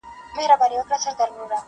تعبیر دي راته شیخه د ژوند سم ښوولی نه دی،